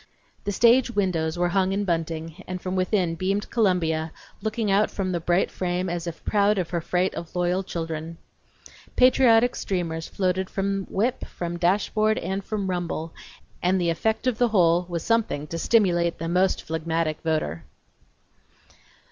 The stage windows were hung in bunting, and from within beamed Columbia, looking out from the bright frame as if proud of her freight of loyal children. Patriotic streamers floated from whip, from dash board and from rumble, and the effect of the whole was something to stimulate the most phlegmatic voter.